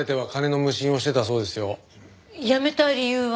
辞めた理由は？